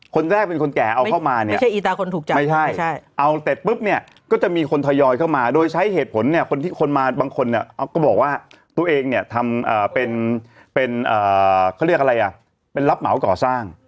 คนแรกเป็นคนแก่เอาเข้ามาเนี่ยใช่อีตาคนถูกแก่ไม่ใช่เอาเสร็จปุ๊บเนี่ยก็จะมีคนทยอยเข้ามาโดยใช้เหตุผลเนี่ยคนที่คนมาบางคนเนี่ยก็บอกว่าตัวเองเนี่ยทำเป็นเขาเรียกอะไรอ่ะเป็นรับเหมาก่อสร้าง